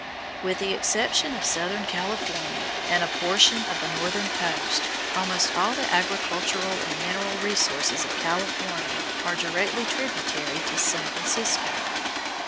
With the exception of southern California and a portion of the northern coast, almost all the agricultural and mineral resources of California are directly tributary to San Francisco.